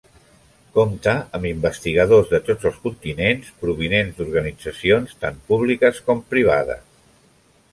Compta amb investigadors de tots els continents, provinents d’organitzacions tant públiques com privades.